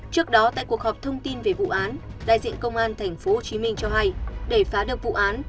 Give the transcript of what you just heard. trước đó tại cuộc họp thông tin về vụ án đại diện công an tp hcm cho hay để phá được vụ án